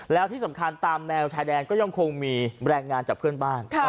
แล้วที่สำคัญตามแนวชายแดนก็ยังคงมีแรงงานจากเพื่อนบ้าน